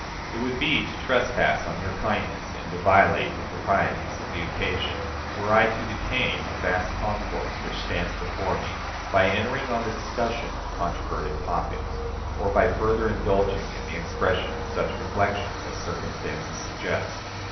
It would be to trespass on your kindness, and to violate the proprieties of the occasion, were I to detain the vast concourse which stands before me, by entering on the discussion of controverted topics, or by further indulging in the expression of such reflections as circumstances suggest.